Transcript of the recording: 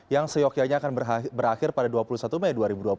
yang seyokianya akan berakhir pada dua puluh satu mei dua ribu dua puluh